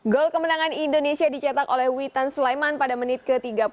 gol kemenangan indonesia dicetak oleh witan sulaiman pada menit ke tiga puluh